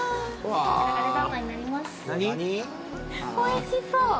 わあおいしそう！